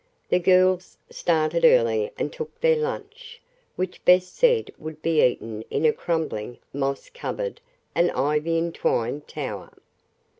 The girls started early and took their lunch, which Bess said would be eaten in a crumbling, moss covered and ivy entwined tower.